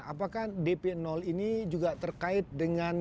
apakah dp ini juga terkait dengan